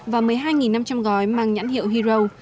và một mươi hai năm trăm linh gói mang nhãn hiệu hero